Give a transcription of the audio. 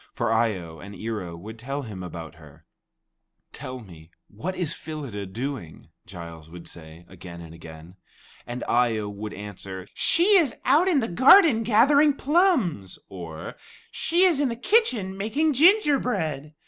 For Eye o and Ear o would tell him about her. "Tell me, what is Phyllida doing?" Giles would say again and again. And Eye o would answer, "She is out in the garden gathering plums"; or, "she is in the kitchen making gingerbread."